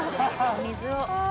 水を。